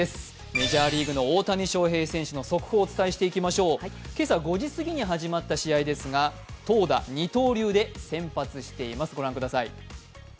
メジャーリーグの大谷翔平選手の速報をお伝えしていきましょう、今朝５時すぎに始まった試合ですが投打二刀流で先発しています。